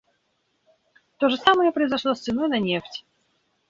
То же самое произошло с ценой на нефть.